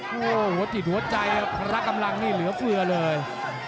โอ้โหหัวจิตหัวใจพระกำลังนี่เหลือเฟือเลย